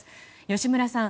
吉村さん。